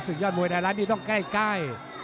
ยอดมวยไทยรัฐนี่ต้องใกล้